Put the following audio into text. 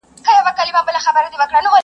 د پتڼ له سرې لمبې نه څه پروا ده،